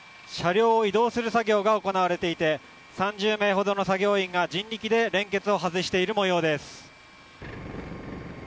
車両を移動する作業が行われていて、３０名ほどの作業員が人力で連結を外しているもようです。